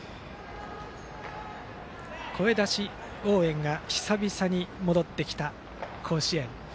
声出し応援が久々に戻ってきた甲子園。